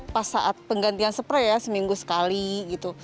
pas saat penggantian spray ya seminggu sekali gitu